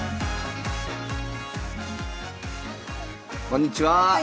⁉こんにちは。